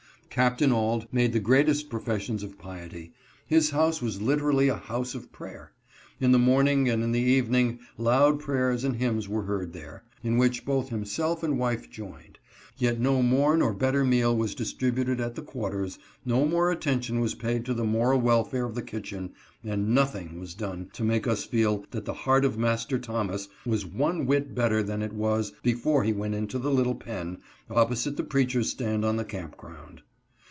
Capt. Auld made the greatest professions of piety. His house was literally a house of prayer. In the morning and in the evening loud prayers and hymns were heard there, in which both himself and wife joined; yet no more nor better meal was distributed at the quarters, no more attention was paid to the moral welfare of the kitchen, and nothing was done to make us feel that the heart of Master Thomas was one whit better than it was before he went into the little pen, opposite the preacher's stand on the camp ground.